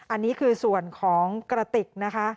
อันนี้คือส่วนของกระติกนะคะ